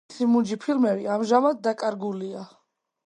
მისი მუნჯი ფილმები ამჟამად დაკარგულია.